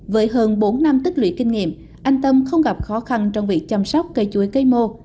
với hơn bốn năm tích lũy kinh nghiệm anh tâm không gặp khó khăn trong việc chăm sóc cây chuối cây mô